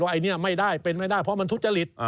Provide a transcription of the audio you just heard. อันนี้ไม่ได้เป็นไม่ได้เพราะมันทุจริต